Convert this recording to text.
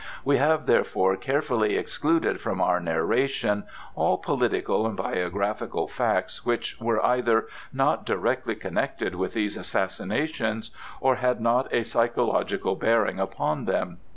We have therefore carefully excluded from our narration all political and biographical facts which were either not directly connected with these assassinations or had not a psychological bearing upon them.